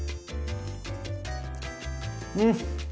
うん！